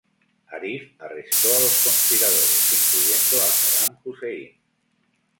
Arif arrestó a los conspiradores, incluyendo a Sadam Husein.